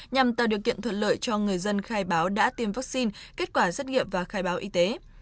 nhằm tạo điều kiện thuận lợi cho người dân khai báo đã tiêm vaccine kết quả xét nghiệm và khai báo y tế